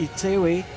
dan rakyat korupsi